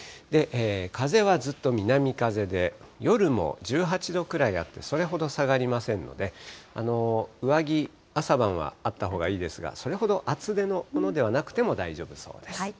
風はずっと南風で、夜も１８度くらいあって、それほど下がりませんので、上着、朝晩はあったほうがいいですが、それほど厚手のものではなくても大丈夫そうです。